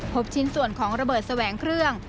พบชิ้นส่วนของระเบิดแสวงเครื่อง